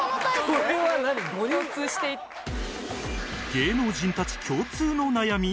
芸能人たち共通の悩み？